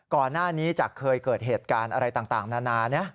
ก่อนหน้านี้จากเคยเกิดเหตุการณ์อะไรต่างนานา